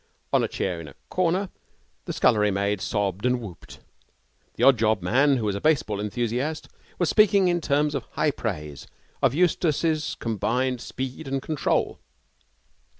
On a chair in a corner the scullery maid sobbed and whooped. The odd job man, who was a baseball enthusiast, was speaking in terms of high praise of Eustace's combined speed and control.